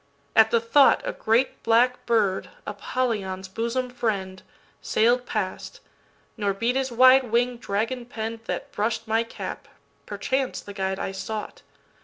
At the thought,A great black bird, Apollyon's bosom friend, Sail'd past, nor beat his wide wing dragon penn'dThat brush'd my cap—perchance the guide I sought.